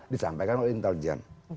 disampaikan oleh intelijen oke